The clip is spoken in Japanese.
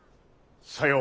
さよう。